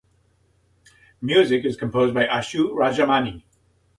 Music is composed by Achu Rajamani.